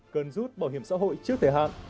cần rút bảo hiểm xã hội trước thời hạn